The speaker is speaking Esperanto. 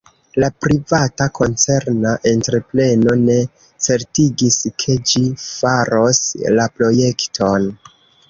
La privata koncerna entrepreno ne certigis, ke ĝi faros la projekton.